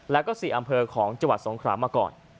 แล้วก็๔อำเภอของจังหวัดสงครามมาก่อน